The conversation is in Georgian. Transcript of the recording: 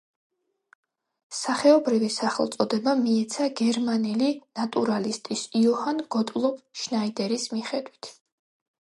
სახეობრივი სახელწოდება მიეცა გერმანელი ნატურალისტის იოჰან გოტლობ შნაიდერის მიხედვით.